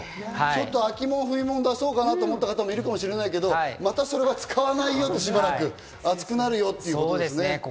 ちょっと秋物、冬物出そうと思った方もいるかもしれないけど、またそれは使わないよしばらく、暑くなるよということですね。